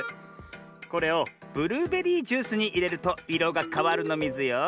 これをブルーベリージュースにいれるといろがかわるのミズよ。